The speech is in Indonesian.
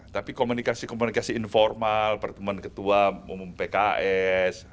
tapi komunikasi komunikasi informal pertemuan ketua umum pks